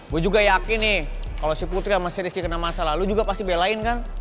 gue juga yakin nih kalau putri sama sri sedikit kena masalah lo juga pasti belain kan